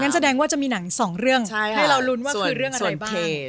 แสดงว่าจะมีหนังสองเรื่องให้เรารุ้นว่าคือเรื่องอะไรบ้าง